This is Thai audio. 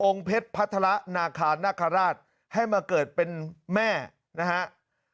องค์เผ็ดพัทละนาฆานห์คอราชให้มาเกิดเป็นแม่นะครับ